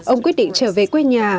ông quyết định trở về quê nhà